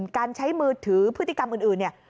การใช้มือถือพฤติกรรมอื่นเนี่ย